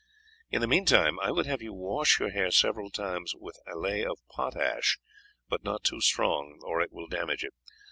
In the meantime I would have you wash your hair several times with a ley of potash, but not too strong, or it will damage it.